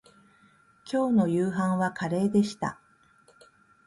きょうの夕飯はカレーでした